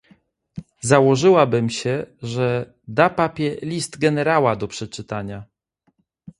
"Założyłabym się, że da papie list generała do przeczytania."